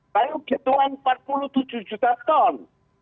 kalau kebutuhan empat puluh tujuh juta ton